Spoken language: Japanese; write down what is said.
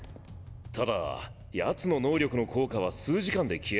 ただ奴の能力の効果は数時間で消えた。